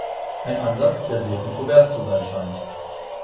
Ein Ansatz, der sehr kontrovers zu sein scheint.